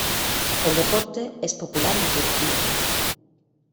El deporte es popular en Turquía.